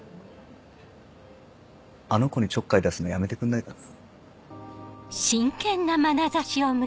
あの子にちょっかい出すのやめてくんないかな？